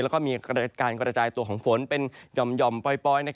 แล้วก็มีการกระจายตัวของฝนเป็นหย่อมปล่อย